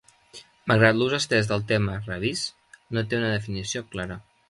Malgrat l'ús estès del terme Rabiz, no té una definició clara.